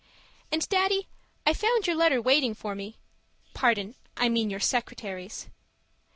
And, Daddy, I found your letter waiting for me pardon I mean your secretary's.